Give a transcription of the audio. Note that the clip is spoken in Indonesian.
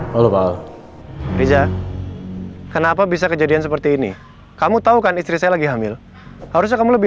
halo pak al riza kenapa bisa kejadian seperti ini kamu tahu kan istri saya lagi hamil harusnya kamu lebih